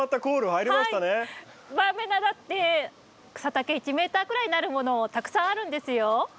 バーベナだって草丈１ｍくらいになるものたくさんあるんですよ。